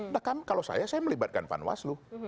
nah kan kalau saya saya melibatkan pan waslu